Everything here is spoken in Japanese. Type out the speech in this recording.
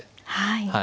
はい。